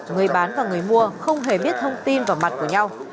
người bán và người mua không hề biết thông tin vào mặt của nhau